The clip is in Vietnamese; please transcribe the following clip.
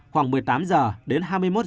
khoảng một mươi tám h đến hai mươi một h